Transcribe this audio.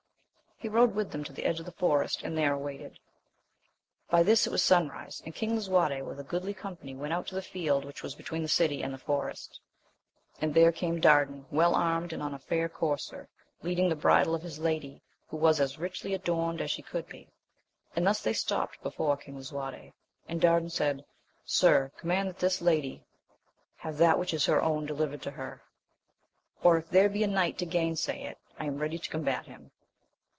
He rode with them to the edge of the forest, and there awaited. By this it was sunrise, and King Lisuarte with a goodly company went out to the field which was between the city and the forest ; and there came Dardan, well armed and on a fair courser, leading the bridle of his lady, who was as richly adorned as she could be ; and thus they stopped before King Lisuarte. And Dardan said. Sir, command that this lady have that which is her own delivered to her; or, if there be a knight to gainsay it, I am ready to combat him.